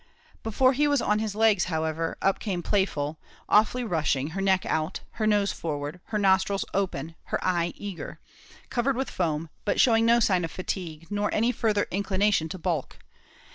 Before he was on his legs, however, up came Playful, awfully rushing, her neck out her nose forward her nostrils open her eye eager covered with foam, but showing no sign of fatigue, nor any further inclination to baulk.